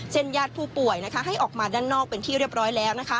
ญาติผู้ป่วยให้ออกมาด้านนอกเป็นที่เรียบร้อยแล้ว